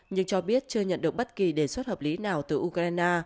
nhưng cho biết chưa nhận được bất kỳ đề xuất hợp lý nào từ ukraine